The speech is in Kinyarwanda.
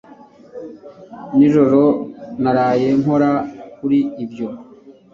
Nijoro naraye nkora kuri ibyo